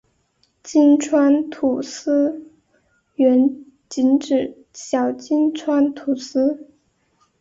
金川土司原仅指小金川土司。